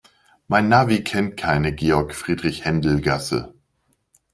Mein Navi kennt keine Georg-Friedrich-Händel-Gasse.